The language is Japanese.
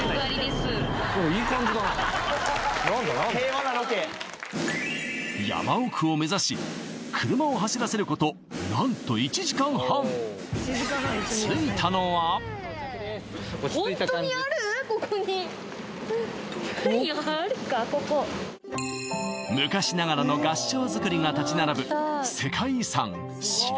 何だ何だ平和なロケ山奥を目指し車を走らせること何と１時間半落ち着いた感じ昔ながらの合掌造りが立ち並ぶ